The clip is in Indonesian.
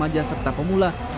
maja serta pemula